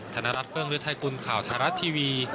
ธนรัฐเฟิร์งวิทยาคุณข่าวธนรัฐทีวี